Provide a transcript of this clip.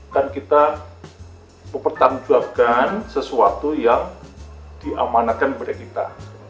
kan kita mempertanggungjawabkan sesuatu yang diamanatkan kepada kita